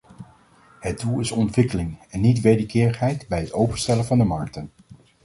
Het doel is ontwikkeling, en niet wederkerigheid bij het openstellen van de markten.